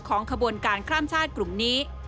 ขบวนการข้ามชาติกลุ่มนี้